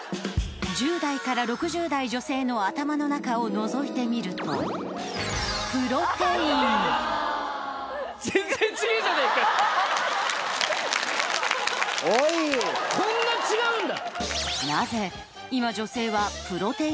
１０代から６０代女性の頭の中をのぞいてみるとこんな違うんだ。